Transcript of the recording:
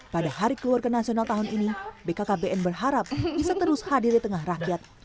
pada hari keluarga nasional tahun ini bkkbn berharap bisa terus hadir di tengah rakyat